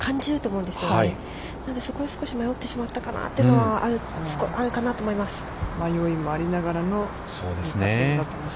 なので、少し迷ってしまったかなというのはあるかなと思います。